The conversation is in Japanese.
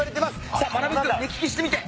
さあまなぶ君目利きしてみて。